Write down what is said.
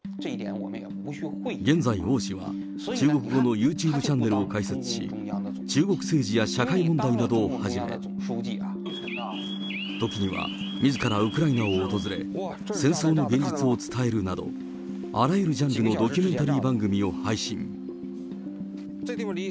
現在、王氏は中国語のユーチューブチャンネルを開設し、中国政治や社会問題などをはじめ、時には、みずからウクライナを訪れ、戦争の現実を伝えるなど、あらゆるジャンルのドキュメンタリー番組を配信。